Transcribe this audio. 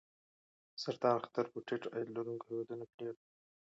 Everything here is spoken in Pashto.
د سرطان خطر په ټیټ عاید لرونکو هېوادونو کې ډېر دی.